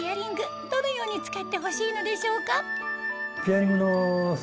どのように使ってほしいのでしょうか？